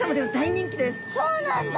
そうなんだ。